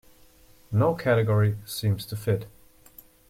No category seems to fit.